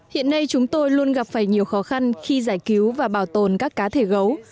hiện nay chúng tôi luôn gặp phải nhiều khó khăn khi giải cứu và bảo tồn các cá thể gấu